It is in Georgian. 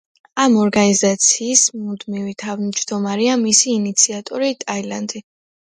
ამ ორგანიზაციის მუდმივი თავმჯდომარეა მისი ინიციატორი ტაილანდი.